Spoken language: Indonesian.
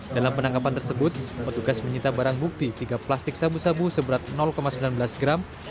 dalam penangkapan tersebut petugas menyita barang bukti tiga plastik sabu sabu seberat sembilan belas gram